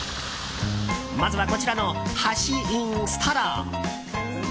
まずはこちらの箸ｉｎストロー。